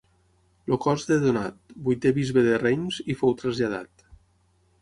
El cos de Donat, vuitè bisbe de Reims i fou traslladat.